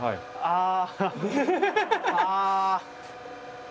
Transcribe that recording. ああ。